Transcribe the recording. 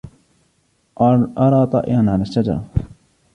أرى طائراً على الشجرة.